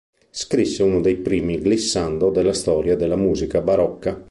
Scrisse uno dei primi glissando della storia della musica barocca.